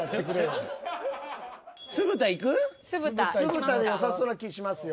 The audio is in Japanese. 酢豚でよさそうな気しますよ。